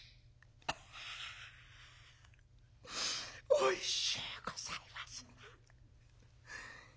「おいしゅうございますな」。